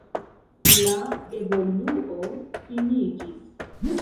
La evoluo finiĝis.